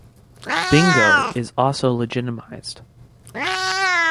Bingo is also legitimized.